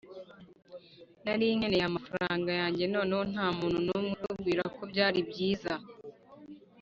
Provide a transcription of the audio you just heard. nari nkeneye amafaranga yanjye noneho, ntamuntu numwe utubwira ko byari byiza